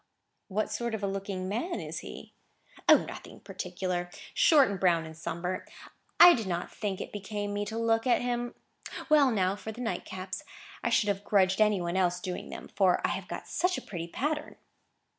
"What sort of a looking man is he?" "O, nothing particular. Short, and brown, and sunburnt. I did not think it became me to look at him. Well, now for the nightcaps. I should have grudged any one else doing them, for I have got such a pretty pattern!"